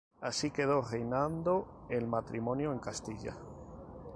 Así quedó reinando el matrimonio en Castilla.